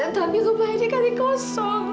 tapi rumah ini kan kosong